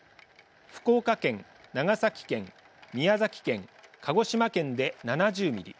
福岡県、長崎県宮崎県、鹿児島県で７０ミリ